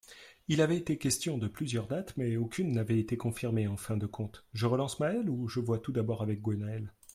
Il avait été question de plusieurs dates mais aucune n'avait été confirmée en fin de compte, je relance Mael ou je vois tout d'abord avec Gwennael ?